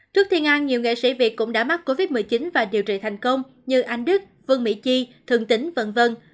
trước thiên an nhiều nghệ sĩ việt cũng đã mắc covid một mươi chín và điều trị thành công như anh đức vương mỹ chi thường tính v v